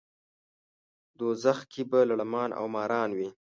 دوزخ کې به لړمان او ماران وي.